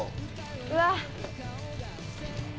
うわっ。